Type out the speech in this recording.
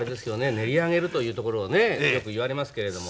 練り上げるというところをねよく言われますけれども。